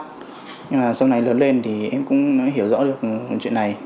nhưng mà sau này lớn lên thì em cũng hiểu rõ được chuyện này